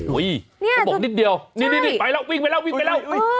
เขาบอกนิดเดียวนี่ไปแล้ววิ่งไปแล้ววิ่งไปแล้ว